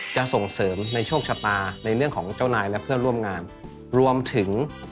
จะส่งเสริมในโชคชะตาในเรื่องของเจ้านายและเพื่อนร่วมงานรวมถึง